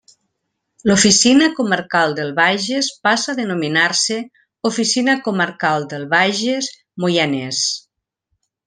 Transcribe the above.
L'Oficina Comarcal del Bages passa a denominar-se Oficina Comarcal del Bages – Moianès.